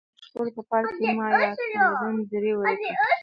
دغو شخړو په پایله کې مایا تمدن دړې وړې کړ.